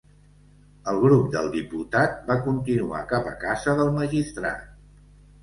El grup del diputat va continuar cap a casa del magistrat.